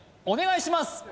お願いします！